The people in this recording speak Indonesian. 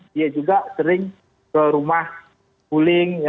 dia juga sering ke rumah buling